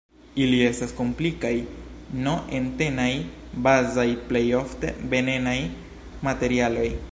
Ili estas komplikaj, N-entenaj, bazaj, plej ofte venenaj materialoj.